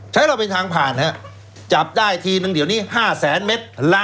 ใช้เราเป็นทางผ่านนะจับได้ทีนึงเดี๋ยวนี้๕๐๐๐๐๐เมตร